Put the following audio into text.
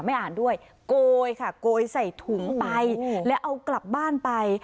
ไม่อ่านด้วยโกยค่ะโกยใส่ถุงไปแล้วเอากลับบ้านไป